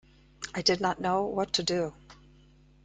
I did not know what to do.